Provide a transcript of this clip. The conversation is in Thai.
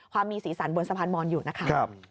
มีสีสันบนสะพานมอนอยู่นะคะ